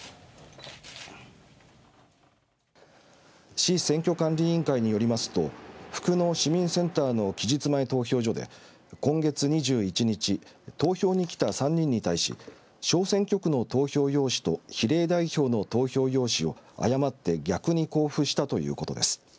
市選挙管理委員会によりますと福野市民センターの期日前投票所で今月２１日投票に来た３人に対し小選挙区の投票用紙と比例代表の投票用紙を誤って逆に交付したということです。